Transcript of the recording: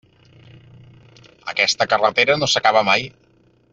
Aquesta carretera no s'acaba mai.